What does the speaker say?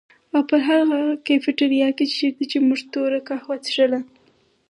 او په هر هغه کيفېټيريا کي چيرته چي مونږ توره کهوه څښله